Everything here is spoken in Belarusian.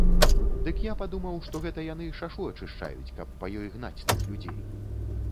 Дык я падумаў, што гэта яны шашу ачышчаюць, каб па ёй гнаць тых людзей.